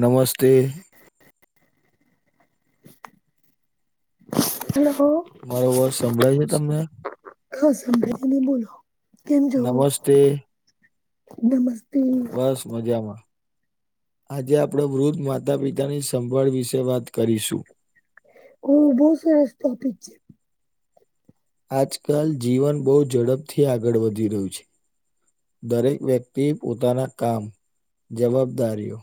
નમસ્તે [unintelligible] મારો અવાજ સંભળાય છે તમને? હા, [inaudible] બોલો કેમ છો નમસ્તે નમસ્તે. બસ મજામાં આજે આપણે વૃદ્ધ માતા પિતાની સંભાળ વિશે વાત કરીશું. ઓ બહુ સરસ ટોપિક છે. આજકાલ જીવન બહુ ઝડપથી આગળ વધી રહ્યું છે, દરેક વ્યક્તિ પોતાના કામ જવાબદારીઓ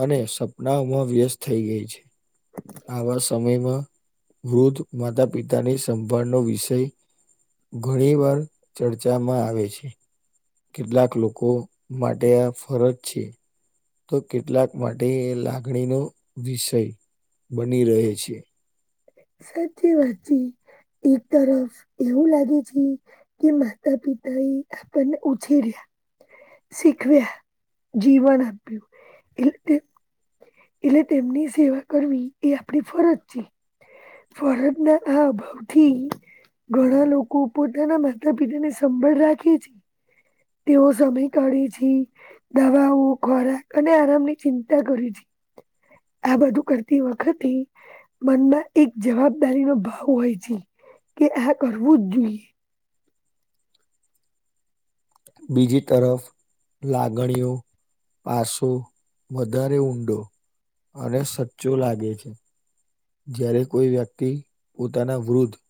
અને સપનાઓમાં વ્યસ્ત થઈ ગઈ છે, આવા સમયમાં વૃદ્ધ માતા પિતાની સંભાળનો વિષય ઘણી વાર ચર્ચામાં આવે છે, કેટલાક લોકો માટે આ ફરજ છે, તો કેટલાક માટે એ લાગણીનો વિષય બની રહે છે. સાચી વાત છે, એક તરફ એવું લાગે છે કે માતા પિતા આપણને ઉછીર્યા શીખવ્યા જીવન આપ્યું એટલે એટલે તેમની સેવા કરવી એ આપણી ફરજ છે. ફરજના આ અ ભાવથી ઘણા લોકો પોતાના માતા પિતા ને સંભાળ રાખે છે, તેઓ સમય કાઢે છે, દવાઓ ખોરાક અને આરામની ચિંતા કરે છે. આ બધું કરતી વખતથી મનમાં એક જવાબદારી નો ભાવ હોય છે, કે આ કરવું જ જોઈએ, બીજી તરફ લાગણીઓ, પાછો વધારે ઊંડો અને સચ્ચો લાગે છે, જય્યારે કોઈ વ્યક્તિ પોતાના વૃદ્ધ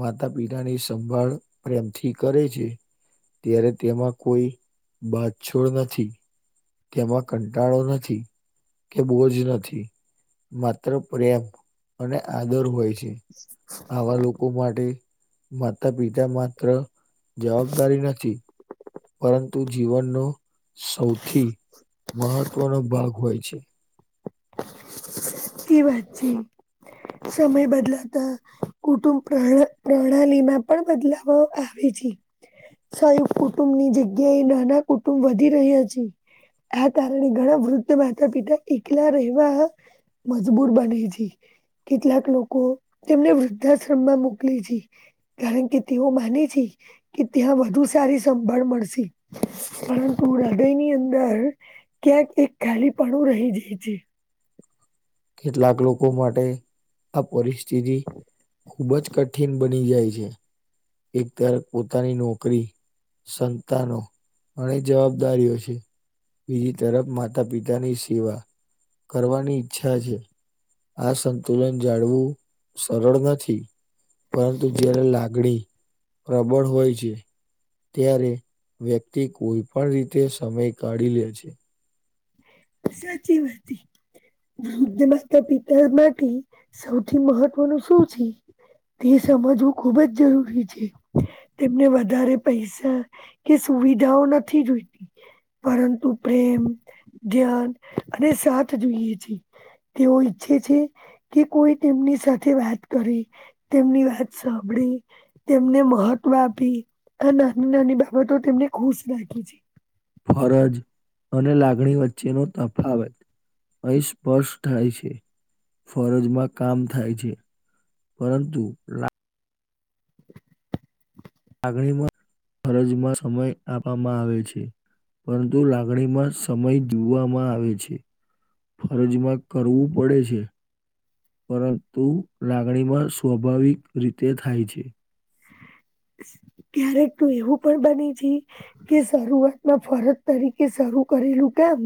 માતા પિતાની સંભાળ પ્રેમથી કરે છે, ત્યારે તેમાં કોઈ બાછછોડ નથી, તેમાં કંટાળો નથી, કે બોજ નથી માત્ર પ્રેમ અને આદર હોય છે, આવા લોકો લોકો માટે માતા પિતા માત્ર જવાબદારી નથી, પરંતુ જીવનનો સૌથી મહત્વનો ભાગ હોય છે, [inaudible] વાત છે, સમય બદલાતા કુટુંબ પ્ર પ્રણાલી માં પણ બદલાવ આવે છે. સાય કુટુંબ ની જગ્યા એ નાના કુટુંબ વધી રહ્યા છે, આ કારણે ઘણા વૃદ્ધ માતા પિતા એકલા રહેવા મજબૂર બને છે, કેટલાક લોકો તેમને વૃદ્ધાશ્રમ માં મોકલે છે, કારણ કે તેઓ માને છે, કે ત્યાં વધુ સારી સંભાળ મળશે, પરંતુ હૃદયની અંદર ક્યાંક એક ખાલી પાડું રહી જાય છે, કેટલાક લોકો માટે આ પરિસ્થિતિ ખુબ જ કઠિન બની જાય છે, એક ત્યારેક પોતાની નોકરી સંતાનો ઘણી જવાબદારીઓ છે, બીજી તરફ માતા પિતાની સેવા કરવાની ઈચ્છા છે, આ સંતુલન જાળવું સરળ નથી, પરંતુ જયારે લાગણી પ્રબળ હોય છે, ત્યારે વ્યક્તિ કોઈ પણ રીતે સમય કાઢી લે છે સાચી વાત. વૃદ્ધ માતા પિતા માટે સૌથી મહત્વનું શું છે? તે સમજવું ખુબ જ જરૂરી છે, તેમને વધારે પૈસા કે સુવિધાઓ નથી જોઈતી, પરંતુ પ્રેમ ધ્યાન અને સાથ જોઈએ છે, તેઓ ઈચ્છે છે કે કોઈ તેમની સાથે વાત કરે, તેમની વાત સાંભળે તેમને મહત્વ આપી આ નાની નાની બાબતો તેમને ખુશ રાખી છે. ફરજ અને લાગણી વચ્ચેનો તફાવત અહીં સ્પષ્ટ થાય છે, ફરજમાં કામ થાય છે. પરંતુ લા લાગણીમાં, ફરજમાં સમય આપવામાં આવે છે. પરંતુ લાગણીમાં સમય જોવામાં આવે છે. ફરજમાં કરવું પડે છે. પરંતુ લાગણી માં સ્વાભાવિક રીતે થાય છે. ક્યારેક તો એવું પણ બની છે કે શરૂઆતમાં ફરજ તરીકે શરૂ કરેલું કામ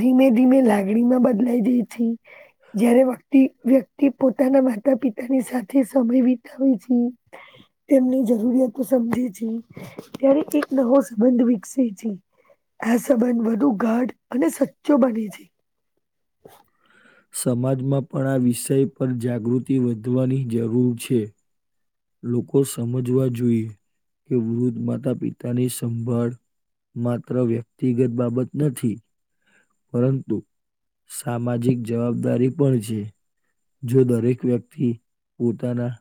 ધીમે ધીમે લાગણી માં બદલાઈ જાય છે. જય્યારે વકતિ વ્યક્તિ પોતાના માતા પિતાની સાથે સમય વિતાવે છે. તેમની જરૂરિયાતો સમજે છે, ત્યારે એક નવો સંબંધ વિકસે છે. આ સંબંધ વધુ ગઢ અને સચ્ચો બને છે. [inaudible] સમાજમાં પણ આ વિષય પર જાગૃતિ વધવાની જરૂર છે. લોકો સમજવા જોઈએ, કે વૃદ્ધ માતા પિતા ની સંભાળ માત્ર વ્યક્તિગત બાબત નથી. પરંતુ સામાજિક જવાબદારી પણ છે જો દરેક વ્યક્તિ પોતાના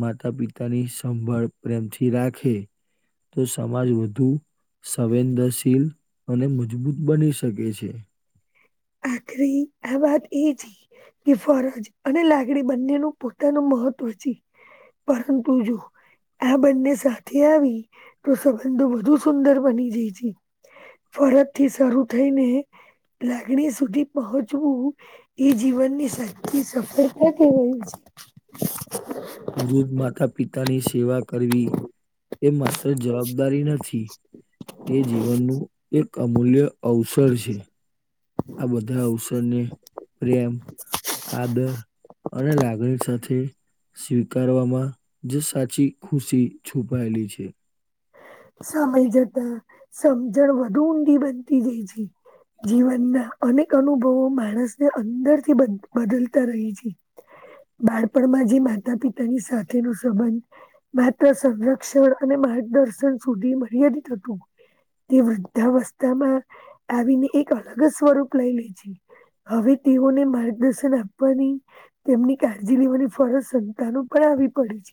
માતા પિતાની સંભળ પ્રેમથી રાખે તો સમાજ વધુ સવેદનશીલ અને મજબૂત બની શકે છે. કે [unintelligible] આખરી આ વાત એ છે એ ફરજ અને લાગણી બંનેનું પોતાનું મહત્વ છે. પરંતુ જો આ બંને સાથે આવી, તો સંબંધો વધુ સુંદર બની જાય છે. ફરત થી શરૂ થઈને ગણી સુધી પહોંચવું, એ જીવનની સાચી સફળતા કેવાય છે. વૃદ્ધ માતા પિતાની સેવા કરવી એમા તો જવાબદારી નથી, તે જીવનનું એક અમૂલ્ય અવસર છે. આ બધા અવસરને પ્રેમ, આદર અને લાગણી સાથે સ્વીકારવામાં જો સાચી ખુશી છુપાયેલી છે. સમય જતા સમજણ વધુ ઊંડી બનતી જાય છે. જીવનના અનેક અનુભવો માણસને અંદર થી બદ બદલતા રહી છે. બાળપણમાં જે માતા પિતાની સાથે નો સંબંધ માત્ર સંરક્ષણ અને માર્ગદર્શન સુધી મર્યાદિત હતું. તે વૃદ્ધાવસ્થામાં આવીને એક અલગ જ સ્વરૂપ લઈ લે છે. હવે તેઓને માર્ગદર્શન આપવાની તેમની કાળજી લેવાની ફરજ સંતાનો પર આવી પડી છે.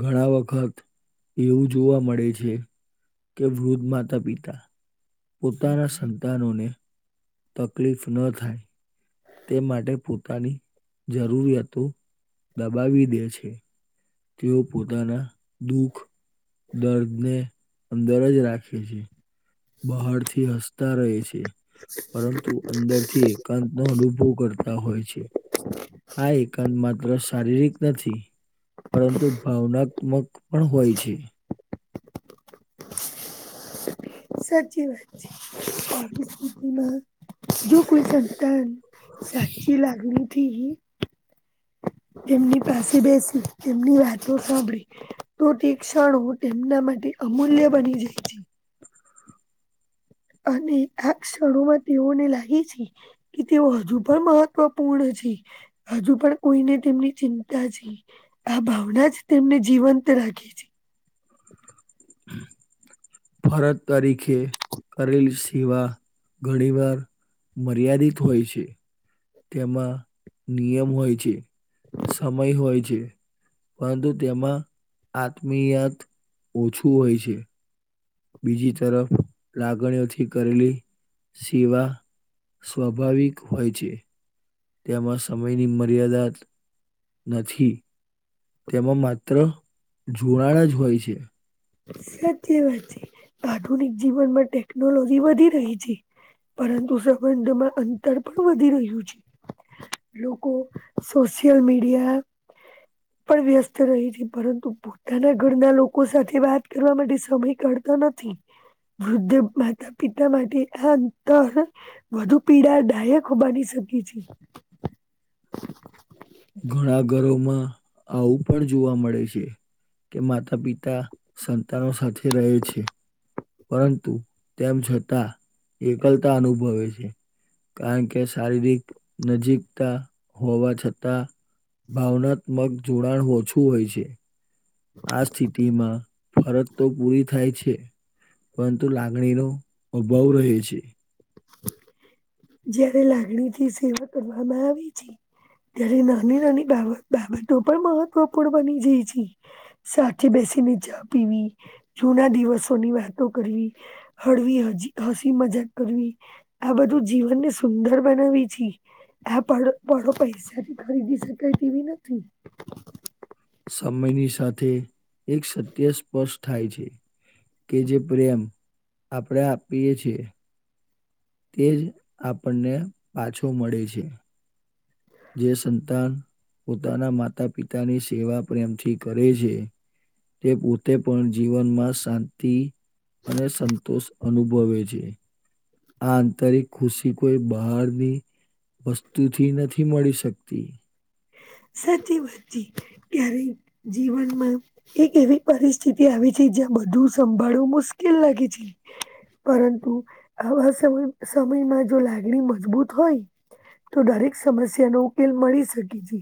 ઘણા વખત એવું જોવા મળે છે, કે વૃદ્ધ માતા પિતા પોતાના સંતાનોને તકલીફ ન થાય તે માટે પોતાની જરૂરિયાતો દબાવી દે છે. તેઓ પોતાના દુઃખ, દર્દને અંદર જ રાખે છે, બહારથી હસતા રહે છે, પરંતુ અંદર થી એકાંત નો અનુભવ કરતા હોય છે. આ એકાંત માત્ર શારીરિક નથી, પરંતુ ભાવનાક મક પણ હોય છે. સાચી વાત છે, [unintelligible] સુધી મા જો કોઈ સંતાન, સાચી લાગણી થી એમની પાસે બેસી, એમની વાતો સાંભળી તો તે ક્ષણો, તેમના માટે અમૂલ્ય બની જાય છે. અને આ ક્ષળોમાં તેઓને લાગે છે કે તેઓ હજુ પણ મહત્વપૂર્ણ છે. હજુ પણ કોઈને તેમની ચિંતા છે. આ ભાવના જ તેમને જીવંત રાખે છે. ફરજ તરીકે, કરેલી સિવા, ઘણી વાર મર્યાદિત હોય છે. તેમાં, નિયમ હોય છે, સમય હોય છે. પરંતુ તેમાં આત્મીયાત ઓછું હોય છે. બીજી તરફ લાગણીઓથી કરેલી સેવા સ્વાભાવિક હોય છે, તેમાં સમયની મર્યાદાત નથી. તેમાં માત્ર જુનાણા જ હોય છે. સાચી વાત છે, આધુનિક જીવનમાં ટેકનોલોજી વધી રહી છે. પરંતુ સંબંધમાં અંતર પણ વધી રહ્યું છે. લોકો, સોશિયલ મીડિયા પણ વ્યસ્ત રહી છે પરંતુ પોતાના ઘરના લોકો સાથે વા ત કરવા માટે સમય કાઢતા નથી. વૃદ્ધ માતા પિતા માટે આ અંતર વધુ પીડા દાયક બની શકી છે. ઘણા ઘરોમાં, આવું પણ જોવા મળે છે. કે માતા પિતા સંતાનો સાથે રહે છે. પરંતુ, તેમ છતાં, એકલતા અનુભવે છે. કારણ કે શારીરિક નજીકતા હોવા છતાં ભાવનાત્મક જોડાણ ઓછું હોય છે. આ સ્થિતિમાં ફરજ તો પૂરી થાય છે. પરંતુ લાગણીનો અભાવ રહે છે. જયારે લાગણી થી સેવા કરવામાં આવી છે ત્યારે નાની નાની બાબ બાબતો પણ મહત્વપૂર્ણ બની જાય છે. સાથે બેસી ને ચા પીવી, જૂના દિવસોની વાતો કરવી. હળવી હજી હસી મજાક કરવી, આ બધું જીવન ને સુંદર બનાવી છી. આ પણ પણો પૈસાથી ખરીદી શકાય તેવી નથી. સમયની સાથે એક સત્ય સ્પર્ષ થાય છે. કે જે પ્રેમ, આપણેે આપીએે છે. તે જ આપણને પાછો મળે છે. જે સંતાન પોતાના માતા પિતાની સેવા પ્રેમથી કરે છે તે પોતે પણ જીવનમાં શાંતિ અને સંતોષ અનુભવે છે. આ અંતરિક ખુશી કોઈ બહારની વસ્તુ થી નથી મળી શકતી. સાચી વાત છે. ક્યારે જીવનમાં એક એવી પરિસ્થિતિ આવી છે જ્યાં બધું સંભાળવું મુશ્કેલ લાગે છે. પરંતુ આવા સમય સમયમાં જો લાગણી મજબૂત હોય તો દરેક સમસ્યા નો ઉકેલ મળી શકે છે.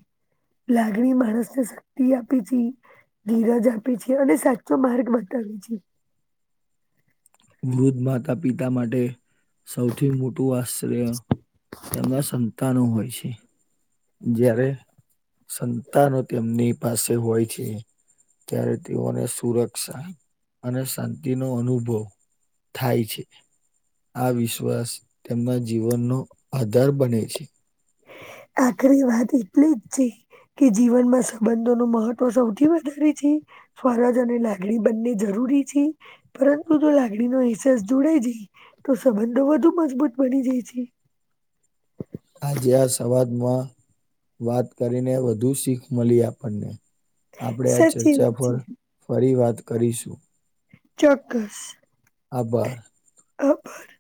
લાગણી માણસ ને શક્તિ આપે છે. ધીરજ આપે છે અને સાચો માર્ગ બતાવે છે. વૃદ્ધ માતા પિતા માટે સૌથી મોટું આશ્રય, તેમના સંતાનો હોય છે. જયારે સંતાનો તેમની પાસે હોય છે ત્યારે તેઓને સુરક્ષા અને શાંતિ નો અનુભવ થાય છે આ વિશ્વાસ તેમના જીવનનો આધાર બને છે. આખરી વાત એટલી છે. કે જીવનમાં સંબંધો નુ મહત્વ સૌથી વધારે છે. સ્વરાજ અને લાગડી બંને જરૂરી છે પરંતુ જો લાગડીનો અસસ જોડાય જાય તો સંબંધો વધુ મજબૂત બની જાય છે. આજે આ સવાદમાં વાત કરીને વધુ શીખ મળી આપણને આપણેે આ સાચી ચર્ચા વાત પર છે ફરી વાત કરીશું. ચોક્કસ આભાર આભાર